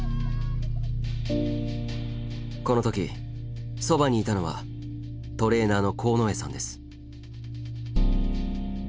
この時そばにいたのはトレーナーの鴻江さんです。